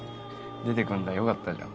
出てくんだよかったじゃん